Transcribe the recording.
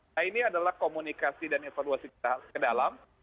nah ini adalah komunikasi dan evaluasi kita ke dalam